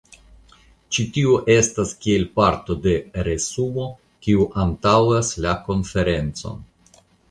Ĉi tio estas kiel parto de resumo kiu antaŭas la konferencon.